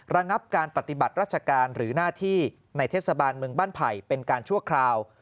ระงับการปฏิบัติราชการหรือหน้าที่ในเทศบาลเมืองบ้านไผ่เป็นการชั่วคราว